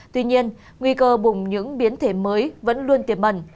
tuy nhiên nguy cơ bùng những biến thể mới vẫn luôn tiếp tục